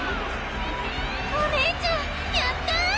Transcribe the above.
お姉ちゃんやったー！